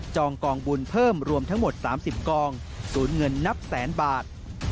กองบุญเพิ่มรวมทั้งหมด๓๐กองศูนย์เงินนับแสนบาท